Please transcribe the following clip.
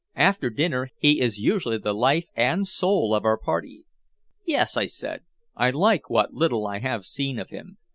After dinner he is usually the life and soul of our party." "Yes," I said, "I like what little I have seen of him.